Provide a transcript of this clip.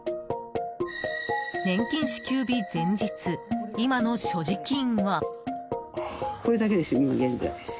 年金支給日前日、今の所持金は。